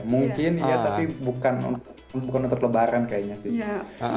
mungkin ya tapi bukan untuk lebaran kayaknya sih